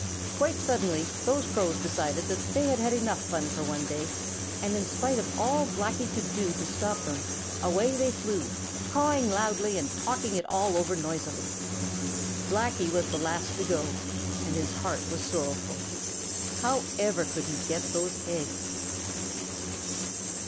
Quite suddenly those Crows decided that they had had fun enough for one day, and in spite of all Blacky could do to stop them, away they flew, cawing loudly and talking it all over noisily. Blacky was the last to go, and his heart was sorrowful. However could he get those eggs?